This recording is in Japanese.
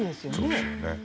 そうですよね。